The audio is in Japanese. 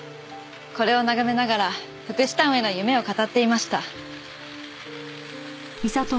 これを眺めながら福祉タウンへの夢を語っていました。